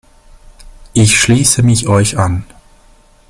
Ich schließe mich euch an.